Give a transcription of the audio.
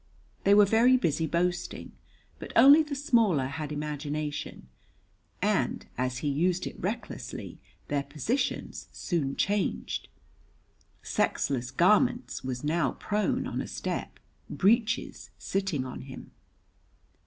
They were very busy boasting, but only the smaller had imagination, and as he used it recklessly, their positions soon changed; sexless garments was now prone on a step, breeches sitting on him.